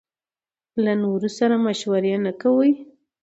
له نورو سره مشوره نکوي.